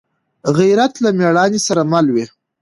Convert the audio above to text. غیرت له مړانې سره مل وي